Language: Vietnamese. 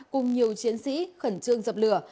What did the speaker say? cùng nhiều chiến sĩ khẩn trương dập lửa